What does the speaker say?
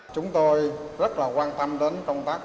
chúng tôi rất là quan tâm đến công tác